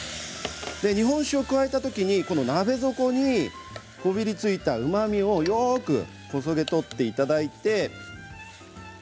日本酒を加えたときに鍋底にこびりついたうまみをよくこそげ取っていただいて。